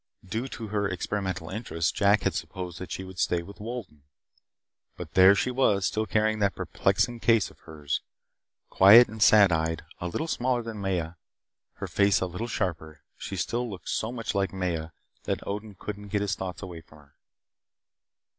Due to her experimental interests, Jack had supposed that she would stay with Wolden. But there she was, still carrying that perplexing case of hers. Quiet and sad eyed, a little smaller than Maya, her face a little sharper, she still looked so much like Maya that Odin couldn't get his thoughts away from her.